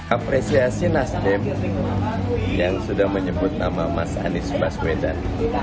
apresiasi nasdem yang sudah menyebut nama mas anies baswedan